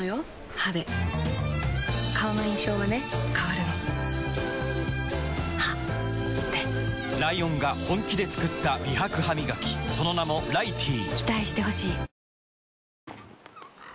歯で顔の印象はね変わるの歯でライオンが本気で作った美白ハミガキその名も「ライティー」